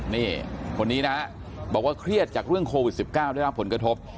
นี่คนนี้นะบอกว่าเครียดจากเรื่องโควิด๑๙ได้รับผลกระทบ